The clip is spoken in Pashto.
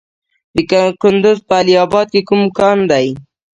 د کندز په علي اباد کې کوم کان دی؟